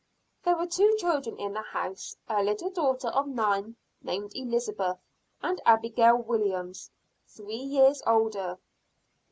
There were two children in the house, a little daughter of nine, named Elizabeth; and Abigail Williams, three years older.